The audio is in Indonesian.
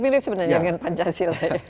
mirip sebenarnya dengan pancasila ya